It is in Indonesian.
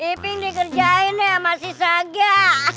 ipeng dikerjain nih sama si saga